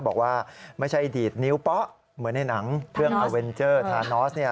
บอกว่าไม่ใช่ดีดนิ้วเป๊ะเหมือนในหนังเครื่องอาเวนเจอร์ทานอสเนี่ย